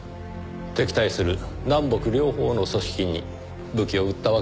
敵対する南北両方の組織に武器を売ったわけですか。